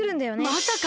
まさか！？